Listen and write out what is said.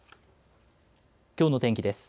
きょうの天気です。